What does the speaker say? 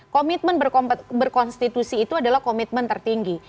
komitmen berkonstitusi itu adalah komitmen tertinggi